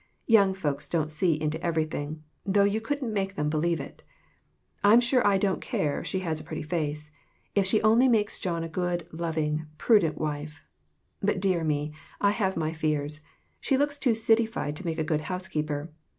Young folks don't see into everything, though you couldn't make them believe it. I'm sure I don't care if she has a pretty face, if she only makes John a good, loving, prudent wife. But dear me, I have my fears. She looks too cityfied to make a good housekeeper.